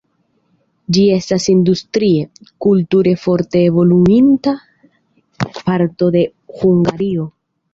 Ĝi estas industrie, kulture forte evoluinta parto de Hungario.